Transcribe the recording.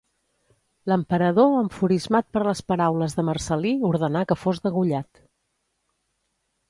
L'emperador enfurismat per les paraules de Marcel·lí ordenà que fos degollat.